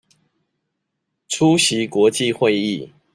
出席國際會議